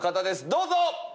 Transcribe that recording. どうぞ！